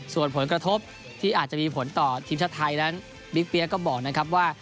ส่วนผลกระทบที่อาจจะมีผลต่อทีมชาติไทยนั้นบิ๊กเปี๊ยก็บอกนะครับว่า